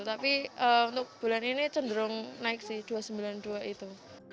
tapi untuk bulan ini cenderung naik sih rp dua puluh sembilan dua ratus itu